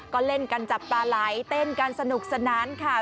ก็เล่นกันจับปลาไหลเต้นกันสนุกสนานค่ะ